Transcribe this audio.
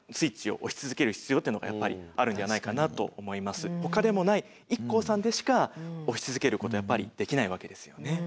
だからこそほかでもないＩＫＫＯさんでしか押し続けることやっぱりできないわけですよね。